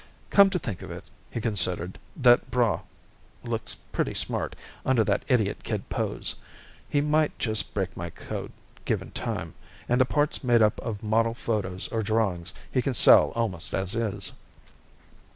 Come to think of it, he considered, _that Braigh looks pretty smart, under that idiot kid pose. He might just break my code, given time. And the parts made up of model photos or drawings he can sell almost as is.